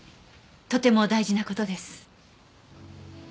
とても大事な事です。